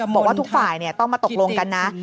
บอกว่าทุกฝ่ายต้องมาตกลงกันนะ